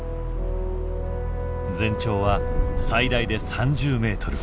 全長は最大で３０ｍ。